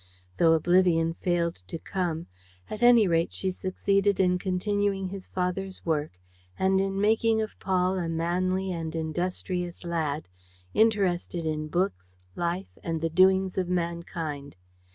Though oblivion failed to come, at any rate she succeeded in continuing his father's work and in making of Paul a manly and industrious lad, interested in books, life and the doings of mankind.